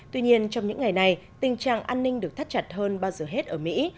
tuy nhiên trong những ngày này tình trạng an ninh được thắt chặt hơn bao giờ hết ở mỹ